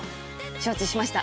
承知しました。